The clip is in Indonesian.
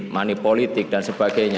manipolitik dan sebagainya